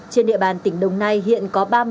trên địa bàn tỉnh đồng nai hiện có